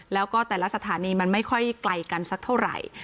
แล้วก็แต่ละสถานีมันไม่ค่อยไกลกันสักเท่าไหร่